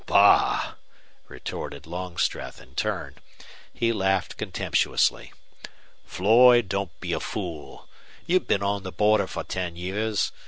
"Bah!" retorted Longstreth, in turn. He laughed contemptuously. "Floyd, don't be a fool. You've been on the border for ten years.